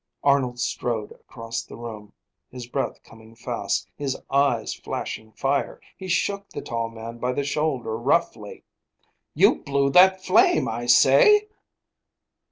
Arnold strode across the room, his breath coming fast, his eyes flashing fire. He shook the tall man by the shoulder roughly. "You blew that flame, I say!"